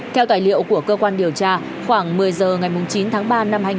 theo tài liệu của cơ quan điều tra khoảng một mươi giờ ngày chín tháng ba năm hai nghìn hai mươi